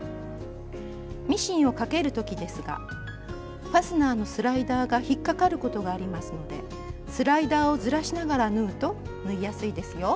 ミシンをかける時ですがファスナーのスライダーが引っかかることがありますのでスライダーをずらしながら縫うと縫いやすいですよ。